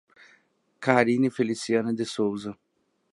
Carine Feliciana de Sousa